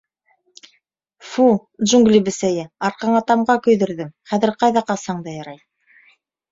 — Фу, джунгли бесәйе, арҡаңа тамға көйҙөрҙөм, хәҙер ҡайҙа ҡасһаң да ярай.